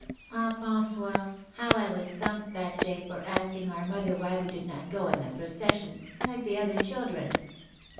Ah, François, how I was thumped that day for asking our mother why we did not go in the procession, like the other children!"